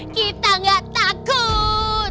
kita gak takut